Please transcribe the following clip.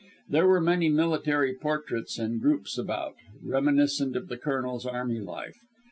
There were many military portraits and groups about, reminiscent of the Colonel's army life.